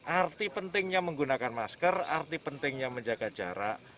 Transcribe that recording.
arti pentingnya menggunakan masker arti pentingnya menjaga jarak